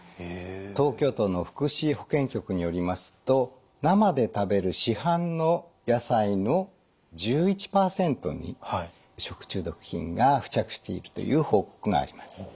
東京都の福祉保健局によりますと生で食べる市販の野菜の１１％に食中毒菌が付着しているという報告があります。